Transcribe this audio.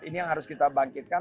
ini yang harus kita bangkitkan